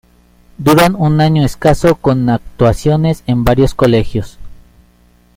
Duran un año escaso con actuaciones en varios colegios.